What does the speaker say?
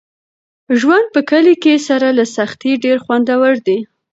ژوند په کلي کې سره له سختۍ ډېر خوندور دی.